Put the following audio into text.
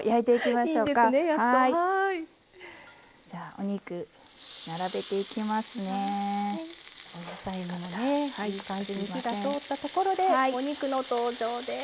お野菜にもねいい感じに火が通ったところでお肉の登場です。